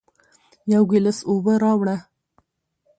یو گیلاس اوبه راوړه